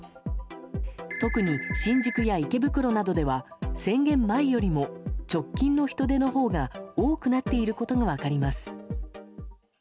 特に、新宿や池袋などでは宣言前よりも直近の人出のほうが多くなっていることが分かります。